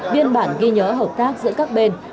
biên bản ghi nhớ hợp tác giữa các bên